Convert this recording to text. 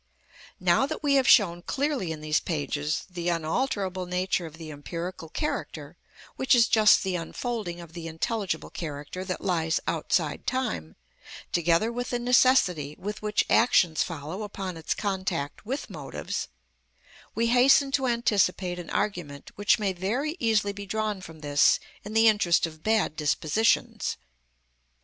Now that we have shown clearly in these pages the unalterable nature of the empirical character, which is just the unfolding of the intelligible character that lies outside time, together with the necessity with which actions follow upon its contact with motives, we hasten to anticipate an argument which may very easily be drawn from this in the interest of bad dispositions.